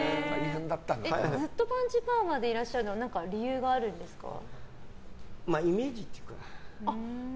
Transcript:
ずっとパンチパーマでいらっしゃるのはイメージっていうか。